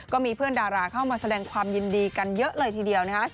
ก็มีเพื่อนดาราเข้ามาแสดงความยินดีกันเยอะเลยทีเดียวนะฮะ